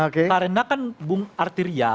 karena kan bung artirya